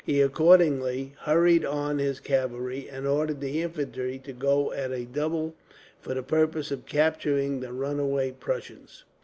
He accordingly hurried on his cavalry, and ordered the infantry to go at a double, for the purpose of capturing the runaway Prussians.